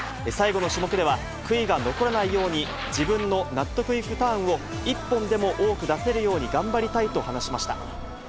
最後の種目では、悔いが残らないように、自分の納得いくターンを一本でも多く出せるように頑張りたいと話しました。